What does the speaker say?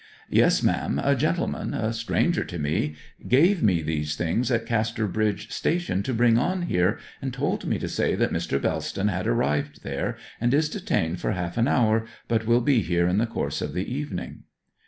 'Yes, ma'am. A gentleman a stranger to me gave me these things at Casterbridge station to bring on here, and told me to say that Mr. Bellston had arrived there, and is detained for half an hour, but will be here in the course of the evening.'